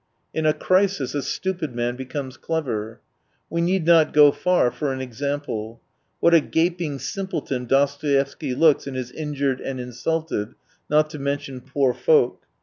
In a crisis, a stupid man becomes clever. We need not go far for an example. What a gaping simpleton Dostoevsky looks in his Injured and Insulted, not to mention Poor Folk.